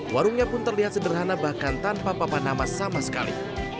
warungnya pun terlihat sederhana bahkan tanpa papanama sama sekali